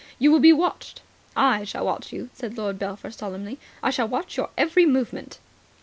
You will be watched." "I shall watch you," said Lord Belpher solemnly, "I shall watch your every movement."